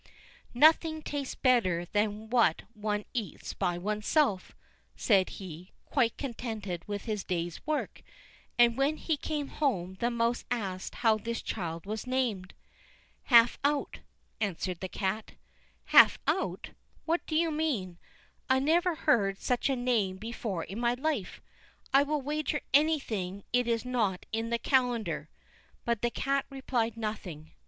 "Nothing tastes better than what one eats by one's self," said he, quite contented with his day's work; and when he came home the mouse asked how this child was named. "Half out," answered the cat. "Half out! What do you mean? I never heard such a name before in my life; I will wager anything it is not in the calendar," but the cat replied nothing.